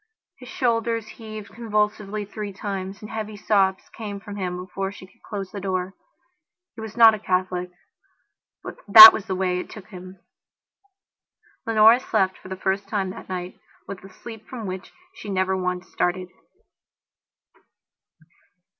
His shoulders heaved convulsively three times, and heavy sobs came from him before she could close the door. He was not a Catholic; but that was the way it took him. Leonora slept for the first time that night with a sleep from which she never once started.